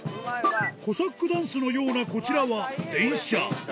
コサックダンスのようなこちらは、電車。